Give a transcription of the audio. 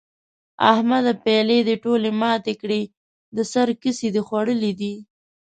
احمده؛ پيالې دې ټولې ماتې کړې؛ د سر کسي دې خوړلي دي؟!